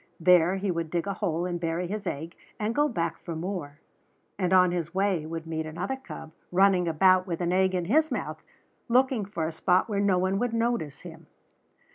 There he would dig a hole and bury his egg and go back for more; and on his way would meet another cub running about with an egg in his mouth, looking for a spot where no one would notice him.